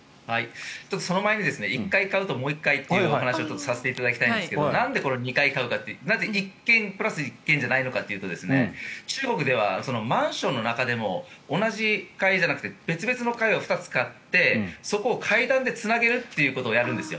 その前に１階買うともう１階というお話をさせていただきたいんですがなんでこれ２階買うかというと１軒プラス１軒じゃないのかというと中国ではマンションの中でも同じ階じゃなくて別々の階を２つ買ってそこを階段でつなげることをやるんですよ。